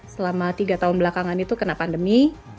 selama tiga tahun belakangan itu kena pandemi